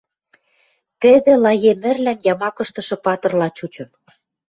Тӹдӹ Лаемӹрлӓн ямакыштышы патырла чучын.